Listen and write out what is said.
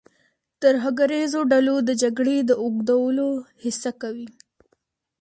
ترهګریزو ډلو د جګړې د اوږدولو هڅه کوي.